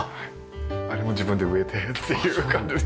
あれも自分で植えてっていう感じです。